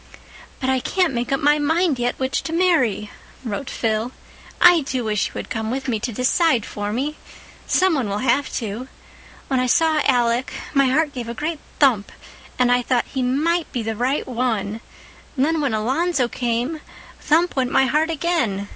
"But I can't make up my mind yet which to marry," wrote Phil. "I do wish you had come with me to decide for me. Some one will have to. When I saw Alec my heart gave a great thump and I thought, 'He might be the right one.' And then, when Alonzo came, thump went my heart again.